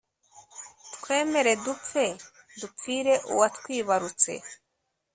twemere dupfe dupfire uwatwibarutse